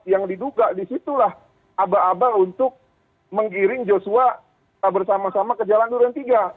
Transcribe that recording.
yang diduga disitulah aba aba untuk menggiring joshua bersama sama ke jalan durian tiga